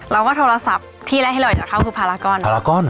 เราก็โทรศัพท์ที่แรกให้เราอยากจะเข้าคือภารกรภารกรหรอ